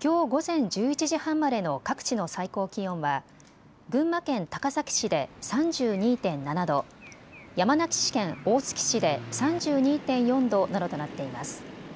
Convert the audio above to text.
きょう午前１１時半までの各地の最高気温は群馬県高崎市で３２．７度、山梨県大月市で３２．４度などとなっています。